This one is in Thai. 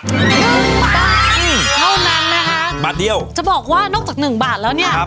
หนึ่งบาทเท่านั้นนะคะหนึ่งบาทเดียวจะบอกว่านอกจากหนึ่งบาทแล้วเนี่ย